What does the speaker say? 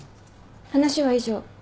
話は以上。